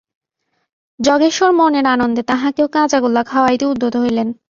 যজ্ঞেশ্বর মনের আনন্দে তাঁহাকেও কাঁচাগোল্লা খাওয়াইতে উদ্যত হইলেন।